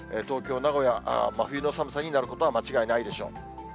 東京、名古屋、真冬の寒さになることは間違いないでしょう。